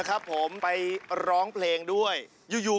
การทำงานที่นู่น